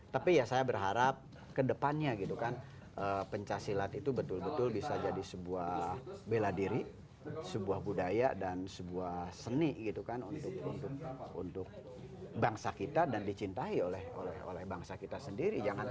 tapi ya saya berharap kedepannya gitu kan pencaksilat itu betul betul bisa jadi sebuah bela diri sebuah budaya dan sebuah seni gitu kan untuk bangsa kita dan dicintai oleh bangsa kita sendiri